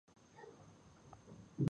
ملا امام موعظه شروع کړه.